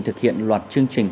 thực hiện loạt chương trình